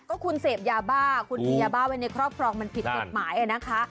ก็คุณเสพยาบ้าคุณมียาบ้าไว้ในครอบครองมันผิดกฎหมายนะคะ